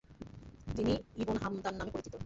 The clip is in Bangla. তিনি ইবন হামদান নামে পরিচিত।